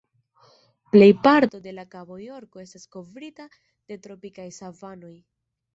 Plej parto de la Kabo Jorko estas kovrita de tropikaj savanoj.